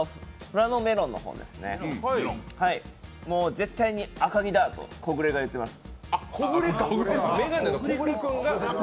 絶対に赤城だと木暮君が言ってます。